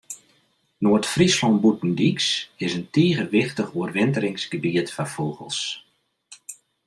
Noard-Fryslân Bûtendyks is in tige wichtich oerwinteringsgebiet foar fûgels.